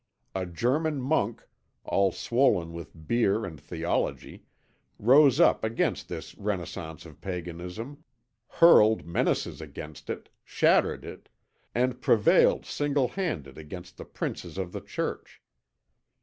A German monk, all swollen with beer and theology, rose up against this renaissance of paganism, hurled menaces against it, shattered it, and prevailed single handed against the Princes of the Church.